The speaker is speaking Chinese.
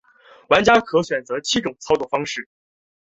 玩家可选择七种操纵方式。